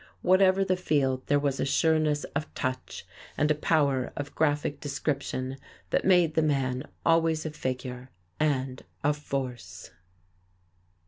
Whatever the field, there was a sureness of touch, and a power of graphic description that made the man always a figure and a force.